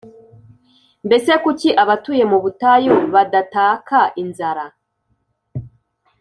mbese kuki abatuye mu butayu badataka inzara,